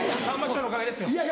さんま師匠のおかげですよ。